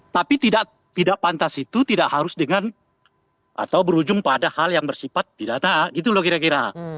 tapi tidak pantas itu tidak harus dengan atau berujung pada hal yang bersifat pidana gitu loh kira kira